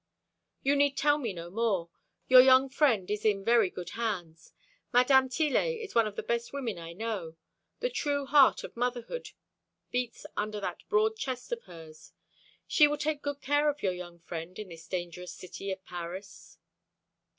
"You need tell me no more. Your young friend is in very good hands. Mdme. Tillet is one of the best women I know; the true heart of motherhood beats under that broad chest of hers. She will take good care of your young friend in this dangerous city of Paris."